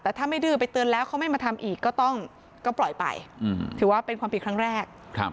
แต่ถ้าไม่ดื้อไปเตือนแล้วเขาไม่มาทำอีกก็ต้องก็ปล่อยไปถือว่าเป็นความผิดครั้งแรก